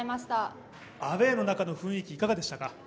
アウェーの中の雰囲気、いかがでしたか？